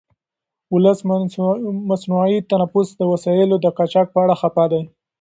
ولس د مصنوعي تنفس د وسایلو د قاچاق په اړه خفه دی.